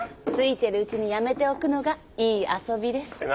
ついてるうちにやめておくのがいい遊びです。